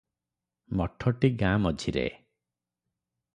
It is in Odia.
ମଠଟି ଗାଁ ମଝିରେ ।